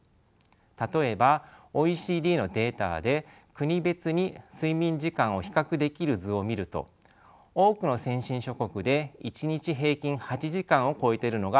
例えばＯＥＣＤのデータで国別に睡眠時間を比較できる図を見ると多くの先進諸国で１日平均８時間を超えているのが分かります。